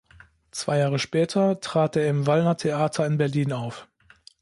Zwei Jahre später trat er im Wallner-Theater in Berlin auf.